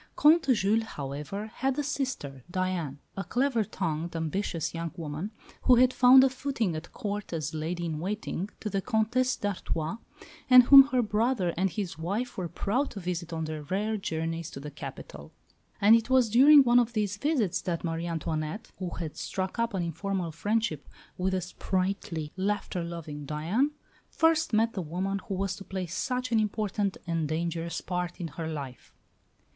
Comte Jules, however, had a sister, Diane, a clever tongued, ambitious young woman, who had found a footing at Court as lady in waiting to the Comtesse d'Artois, and whom her brother and his wife were proud to visit on their rare journeys to the capital. And it was during one of these visits that Marie Antoinette, who had struck up an informal friendship with the sprightly, laughter loving Diane, first met the woman who was to play such an important and dangerous part in her life.